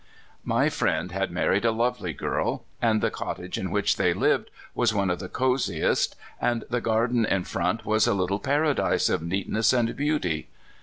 My friend had married a lovely girl, and the cottage in which they lived was one of the cosiest, and the garden in front was a little paradise of neatness and beauty.